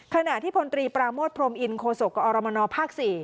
ขณะที่พลตรีปราโมทพรมอินโคศกอรมนภ๔